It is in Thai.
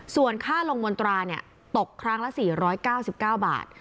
ส่วนค่าลงมนตราตกครั้งละ๔๙๙บาท